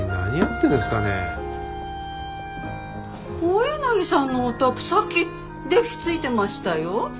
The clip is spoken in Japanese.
大柳さんのお宅さっき電気ついてましたよ。